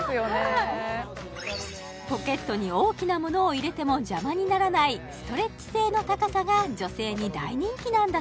はいポケットに大きなものを入れても邪魔にならないストレッチ性の高さが女性に大人気なんだ